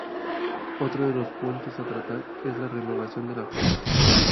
Otro de los puntos a tratar es la renovación de la flota.